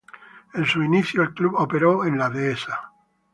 En sus inicios, el club operó en La Dehesa.